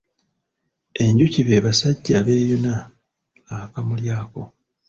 Enjuki be basajja beeyuna akamuli ako.